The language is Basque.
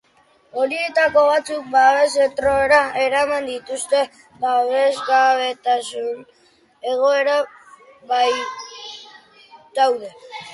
Horietako batzuk babes-zentroetara eraman dituzte, babesgabetasun egoeran baitaude.